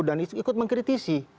dan ikut mengkritisi